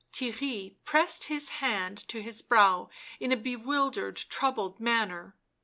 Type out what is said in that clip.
Theirry pressed his hand to his brow in a bewildered, troubled manner.